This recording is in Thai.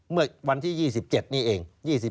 เมื่อวันที่๒๗นี่เอง